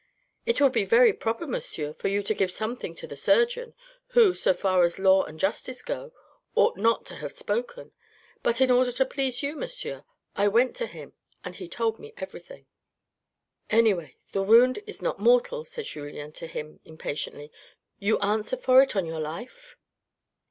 " It would be very proper, monsieur, for you to give something to the surgeon, who, so far as law and justice go, ought not to have spoken. But in order to please you, monsieur, I went to him, and he told me everything." " Anyway, the wound is not mortal," said Julien to him impatiently, " you answer for it on your life